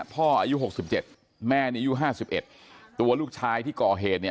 พ่ออายุหกสิบเจ็ดแม่เนี่ยอายุห้าสิบเอ็ดตัวลูกชายที่ก่อเหตุเนี่ย